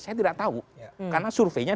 saya tidak tahu karena surveinya